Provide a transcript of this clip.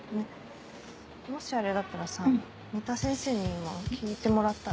もしあれだったらさ三田先生に今聞いてもらったら？